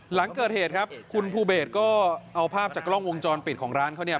หลังเกิดเหตุครับคุณภูเบสก็เอาภาพจากกล้องวงจรปิดของร้านเขาเนี่ย